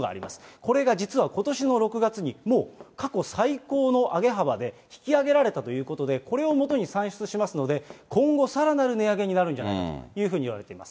これが実はことしの６月にもう過去最高の上げ幅で、引き上げられたということで、これを基に算出しますので、今後、さらなる値上げになるんじゃないかといわれています。